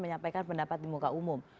menyampaikan pendapat di muka umum